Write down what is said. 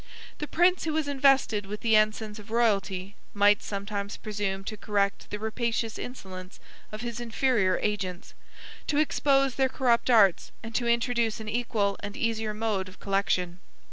The prince who was invested with the ensigns of royalty, might sometimes presume to correct the rapacious insolence of his inferior agents, to expose their corrupt arts, and to introduce an equal and easier mode of collection.